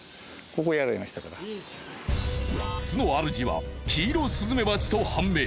巣の主はキイロスズメバチと判明。